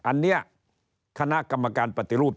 อันนี้คณะกรรมการปฏิรูป